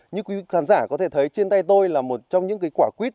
như quý khán giả có thể thấy trên tay tôi là một trong những quả quýt